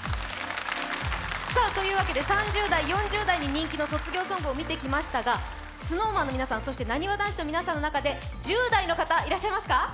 ３０代、４０代に人気の卒業ソングを見てきましたがＳｎｏｗＭａｎの皆さん、そしてなにわ男子の皆さんの中で１０代の方、いらっしゃいますか？